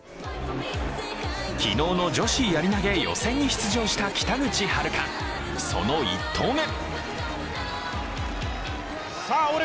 昨日の女子やり投予選に出場した北口榛花、その１投目。